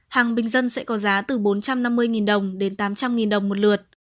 hàng bình dân sẽ có giá từ bốn trăm năm mươi đồng đến tám trăm linh đồng một lượt